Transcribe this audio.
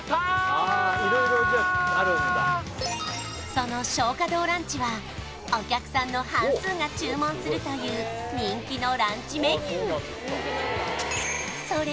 その松花堂ランチはお客さんの半数が注文するという人気のランチメニュー